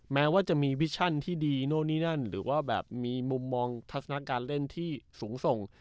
แม้ว่าจะมีวิชั่นที่ดีโน่นนี่นั่นหรือว่าแบบมีมุมมองทัศนาการเล่นที่สูงส่ง